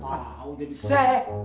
nah udah bisa